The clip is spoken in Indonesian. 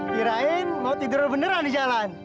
kirain mau tidur beneran di jalan